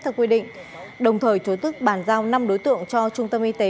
theo quy định đồng thời chối tức bàn giao năm đối tượng cho trung tâm y tế